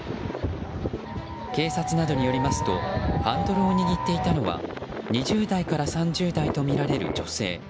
警察などによりますとハンドルを握っていたのは２０代から３０代とみられる女性。